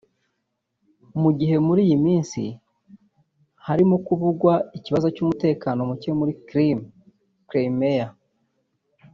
Mu gihe muri iyi minsi harimo kuvugwa ikibazo cy’umutekano muke muri Crimée/ Crimea